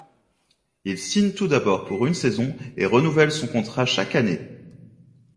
Il signe tout d'abord pour une saison et renouvelle son contrat chaque année.